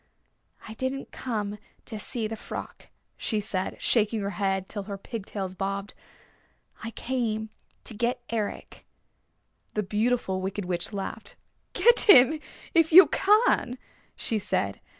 "I didn't come to see the frock," she said, shaking her head till her pigtails bobbed. "I came to get Eric." The Beautiful Wicked Witch laughed. "Get him if you can," she said.